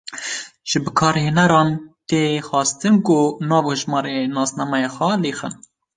Ji bikarhêneran tê xwestin ku nav û hejmara nasnameya xwe lêxin.